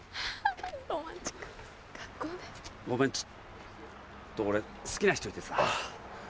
ごめんちょっと俺好きな人いてさ。